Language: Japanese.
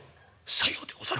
「さようでござるか。